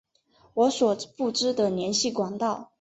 我所不知的联系管道